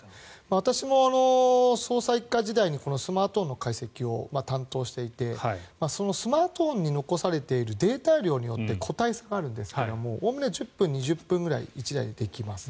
私も捜査１課時代にスマートフォンの解析を担当していてスマートフォンに残されているデータ量によって個体差があるんですがおおむね１０分、２０分ぐらい１台でできます。